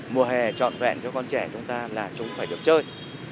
mùa hè trọn vẹn cho con trẻ chúng ta là chúng phải được chơi